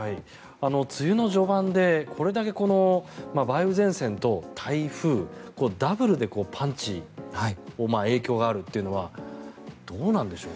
梅雨の序盤でこれだけ梅雨前線と台風ダブルでパンチ影響があるというのはどうなんでしょう。